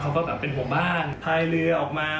เขาก็แบบเป็นห่วงบ้านพายเรือออกมา